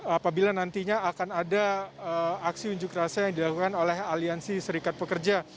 apabila nantinya akan ada aksi unjuk rasa yang dilakukan oleh aliansi serikat pekerja